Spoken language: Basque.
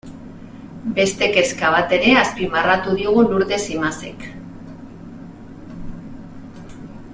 Beste kezka bat ere azpimarratu digu Lurdes Imazek.